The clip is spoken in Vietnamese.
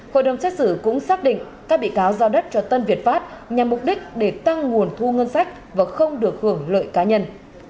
hội đồng xét xử cũng xác định các bị cáo giao đất cho tân việt pháp nhằm mục đích để tăng nguồn thu ngân sách và không được hưởng lợi cá nhân